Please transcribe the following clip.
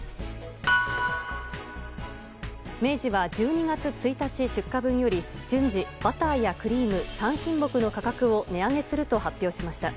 明治は１２月１日出荷分より順次バターやクリーム３品目の価格を値上げすると発表しました。